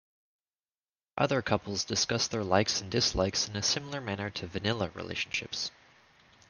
Other couples discuss their likes and dislikes in a similar manner to "Vanilla" relationships.